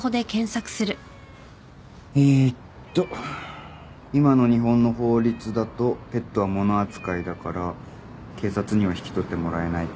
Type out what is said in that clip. えーっと今の日本の法律だとペットは物扱いだから警察には引き取ってもらえないか。